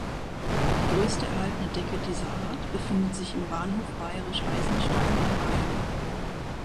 Die größte erhaltene Decke dieser Art befindet sich im Bahnhof Bayerisch Eisenstein in Bayern.